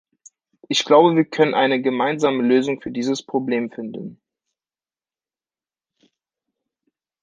Ich glaube, wir können eine gemeinsame Lösung für dieses Problem finden.